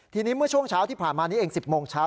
ทีนี้เมื่อช่วงเช้าที่ผ่านมานี้เอง๑๐โมงเช้า